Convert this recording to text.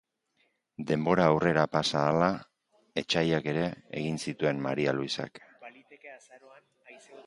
Denbora aurrera pasa ahala, etsaiak ere egin zituen Maria Luisak.